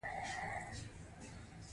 مفصلونه هډوکي سره نښلوي